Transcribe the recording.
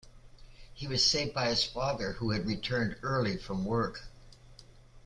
He was saved by his father, who had returned early from work.